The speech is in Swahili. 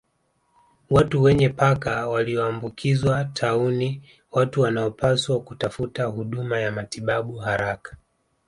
Watu wenye paka walioambukizwa tauni Watu wanaopaswa kutafuta huduma ya matibabu haraka